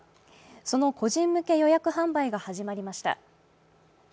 その個人向け予約販売が始まりました。